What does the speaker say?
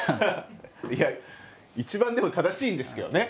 いや一番でも正しいんですけどね。